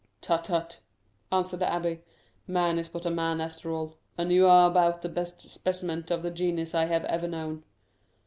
"Tut, tut!" answered the abbé, "man is but man after all, and you are about the best specimen of the genus I have ever known.